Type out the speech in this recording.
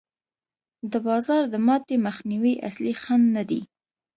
د بازار د ماتې مخنیوی اصلي خنډ نه دی.